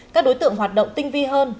các đối tượng hoạt động tinh vi hơn